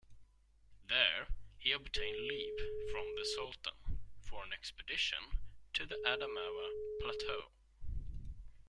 There, he obtained leave from the sultan for an expedition to the Adamawa Plateau.